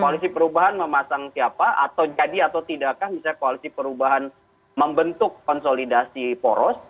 koalisi perubahan memasang siapa atau jadi atau tidakkah misalnya koalisi perubahan membentuk konsolidasi poros